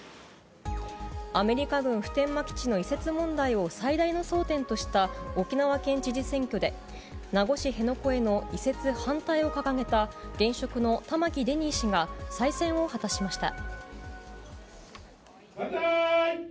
アメリカ軍普天間基地の移設問題を最大の争点とした、沖縄県知事選挙で、名護市辺野古への移設反対を掲げた、現職の玉城デニー氏が再選を万歳！